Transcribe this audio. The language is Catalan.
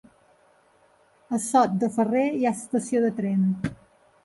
A Sot de Ferrer hi ha estació de tren?